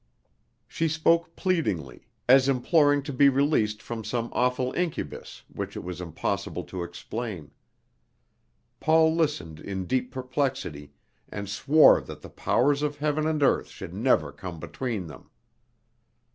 She spoke pleadingly, as imploring to be released from some awful incubus which it was impossible to explain. Paul listened in deep perplexity, and swore that the powers of heaven and earth should never come between them.